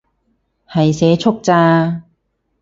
係社畜咋